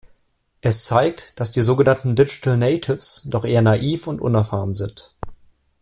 Es zeigt, dass die sogenannten Digital Natives doch eher naiv und unerfahren sind.